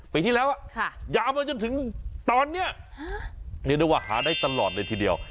ปีที่แล้ววะอย่ามาจนถึงตอนนี้ดูว่าหาได้ตลอดเลยทีเดียว